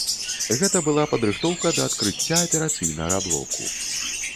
Гэта была падрыхтоўка да адкрыцця аперацыйнага блоку.